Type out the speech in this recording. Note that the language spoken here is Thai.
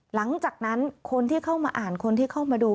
หลังจากนั้นคนที่เข้ามาอ่านคนที่เข้ามาดู